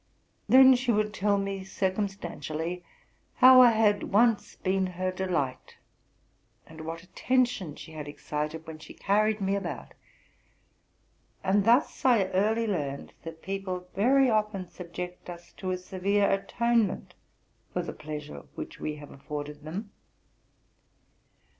'' Then she wouid tell me circumstantially how I had once been her delight, and what attention she had excited when she carried me about; and thus I early learned that people very often subject us to a severe atonement for the pleasure which we have afforded them.